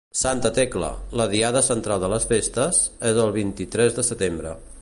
Santa Tecla, la diada central de les festes, és el vint-i-tres de setembre.